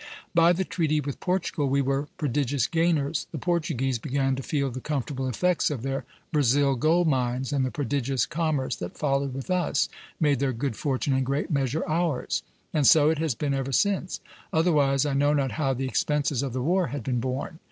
"By the treaty with Portugal we were prodigious gainers.... The Portuguese began to feel the comfortable effects of their Brazil gold mines, and the prodigious commerce that followed with us made their good fortune in great measure ours; and so it has been ever since; otherwise I know not how the expenses of the war had been borne....